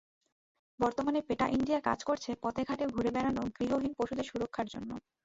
বর্তমানে PETA India কাজ করছে পথেঘাটে ঘুরে বেড়ানো গৃহহীন পশুদের সুরক্ষার জন্য।